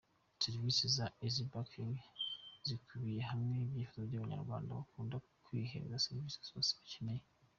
Serivisi za Eazzy Banking zikubiye hamwe ibyifuzo by’Abanyarwanda bakunda kwihereza serivisi zose bakeneye.